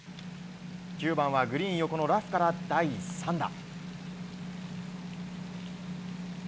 ９番はグリーン横のラフから第３打。